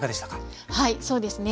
はいそうですね